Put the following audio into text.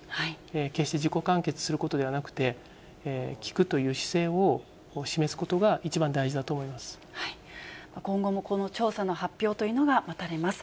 決して自己完結することではなくて、聞くという姿勢を示すことが、今後もこの調査の発表というのが待たれます。